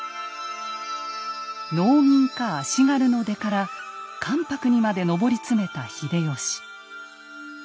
農民か足軽の出から関白にまで上り詰めた秀吉。